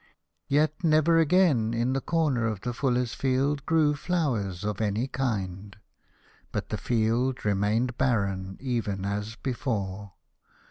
Yet never again in the corner of the Fullers' Field grew flowers of any kind, but the field re mained barren even as before.